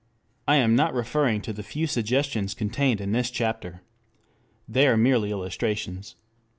I am not referring to the few suggestions contained in this chapter. They are merely illustrations.